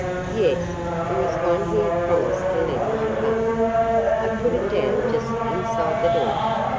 "Yes. It was one he had promised to lend my father. I put it down just inside the door.